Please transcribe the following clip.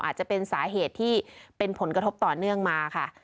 อาจจะเป็นสาเหตุที่เป็นผลกระทบต่อเนื่องมาค่ะ